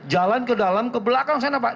jalan ke dalam ke belakang sana pak